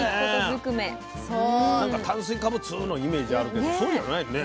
なんか炭水化物のイメージあるけどそうじゃないのね。